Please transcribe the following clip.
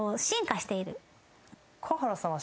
華原さんは。